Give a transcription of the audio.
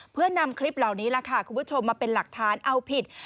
เพื่อนำคลิปเหล่านี้ล่ะค่ะคุณผู้ชมมาเป็นหลักฐานเอาผิด